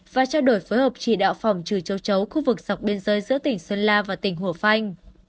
và trao đổi phối hợp chỉ đạo phòng trừ châu chấu khu vực dọc biên giới giữa tỉnh sơn la và tỉnh hồ phanh